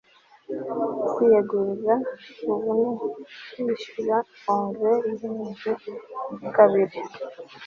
kwiyegurira ubu ni kwishyura ogre ihenze kabiri